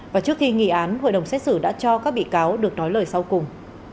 và trước khi nghỉ án hội đồng xét xử đã cho các bị cáo được nói lời sau cùng